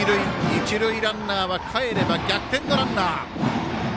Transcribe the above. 一塁ランナーはかえれば逆転のランナー。